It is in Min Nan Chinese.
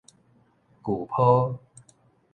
舊坡